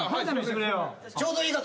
ちょうどいいかと。